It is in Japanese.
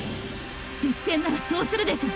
“実戦”ならそうするでしょ。